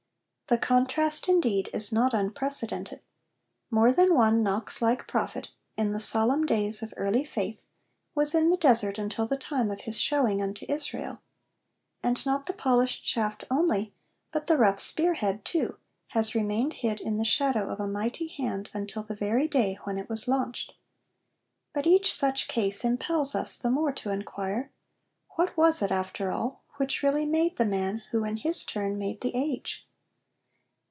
The contrast, indeed, is not unprecedented. More than one Knox like prophet, in the solemn days of early faith, 'was in the desert until the time of his shewing unto Israel'; and not the polished shaft only, but the rough spear head too, has remained hid in the shadow of a mighty hand until the very day when it was launched. But each such case impels us the more to inquire, What was it after all which really made the man who in his turn made the age?